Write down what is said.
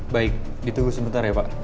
baik ditunggu sebentar ya pak